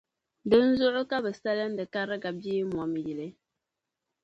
Dinzuɣu ka bɛ salindi Kariga Beemoni yili.